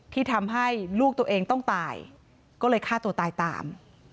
ที่ทำให้ลูกตัวเองต้องตายก็เลยฆ่าตัวตายตาม